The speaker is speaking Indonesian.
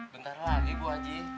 bentar lagi bu haji